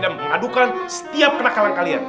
dan mengadukan setiap kenakalan kalian